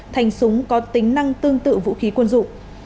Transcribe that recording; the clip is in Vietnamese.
thành súng có tính năng tương tự vũ khí quân dụng